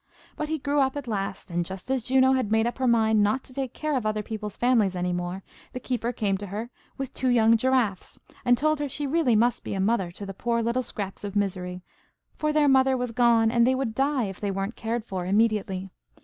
But he grew up at last, and just as Juno had made up her mind not to take care of other people's families any more, the keeper came to her with two young giraffes, and told her she really must be a mother to the poor little scraps of misery, for their mother was gone, and they would die if they weren't cared for immediately.